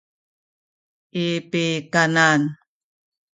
i pukanan